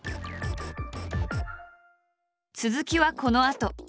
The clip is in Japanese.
続きはこのあと。